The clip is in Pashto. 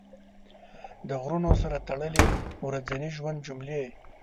د غرونو سره تړلې ورځني ژوند جملې